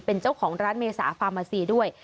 เป็นเจ้าของร้านเมษาฟามาซีด้วย